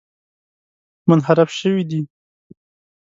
منحرف شوي دي.